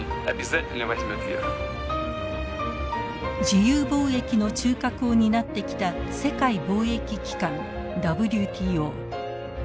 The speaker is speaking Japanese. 自由貿易の中核を担ってきた世界貿易機関ＷＴＯ。